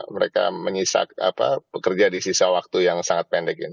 mereka menyisak bekerja di sisa waktu yang sangat pendek ini